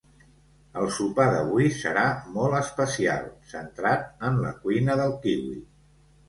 El sopar d'avui serà molt especial, centrat en la cuina del kiwi.